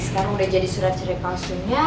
sekarang udah jadi surat cerita palsunya